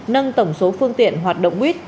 nâng tổng số phương tiện hoạt động buýt